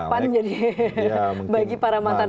pan jadi bagi para mantan